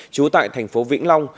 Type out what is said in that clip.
chú tại thành phố vĩnh long